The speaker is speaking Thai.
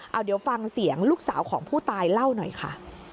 เอาเดี๋ยวฟังเสียงลูกสาวของผู้ตายเล่าหน่อยค่ะ